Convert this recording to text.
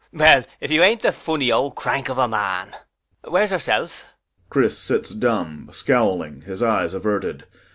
] Well, if you ain't the funny old crank of a man! [Then soberly.] Where's herself? [CHRIS sits dumb, scowling, his eyes averted.